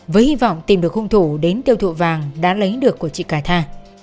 với hy vọng tìm được hung thủ đến tiêu thụ vàng đã lấy được của chị cà tha